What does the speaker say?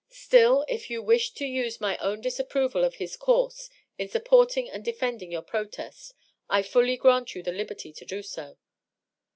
Still, if you wish to use my own disapproval of his course in supporting and defending your protest, I fully grant you the liberty to do so."